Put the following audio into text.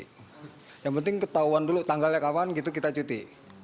rela ambil cuti yang penting ketahuan dulu tanggalnya kapan gitu kita cuti